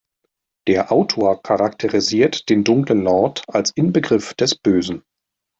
Der Autor charakterisiert den dunklen Lord als Inbegriff des Bösen.